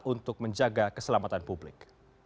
untuk menjaga keselamatan publik